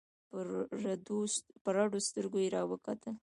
په رډو سترگو يې راوکتل.